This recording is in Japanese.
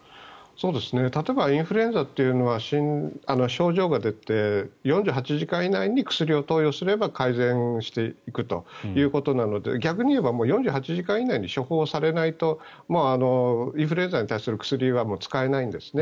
例えばインフルエンザというのは症状が出て４８時間以内に薬を投与すれば改善していくということなので逆に言えば４８時間以内に処方されないとインフルエンザに対する薬はもう使えないんですね。